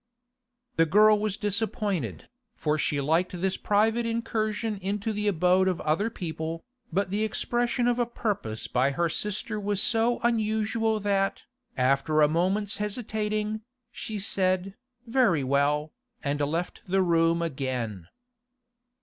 The girl was disappointed, for she liked this private incursion into the abode of other people, but the expression of a purpose by her sister was so unusual that, after a moment's hesitating, she said, 'Very well,' and left the room again.